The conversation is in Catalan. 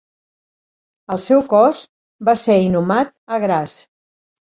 El seu cos va ser inhumat a Graz.